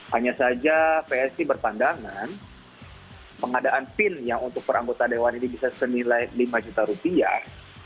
hanya saja psi berpandangan pengadaan pin yang untuk per anggota dewan ini bisa senilai lima juta rupiah